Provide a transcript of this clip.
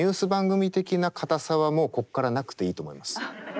番組的な堅さはもうこっからなくていいと思います。